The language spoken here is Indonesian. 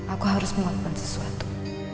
aku harus menguatkan sesuatu